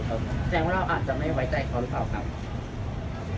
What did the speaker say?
แสดงว่าเราอาจจะไม่ไว้ใจเขาหรือเปล่าครับ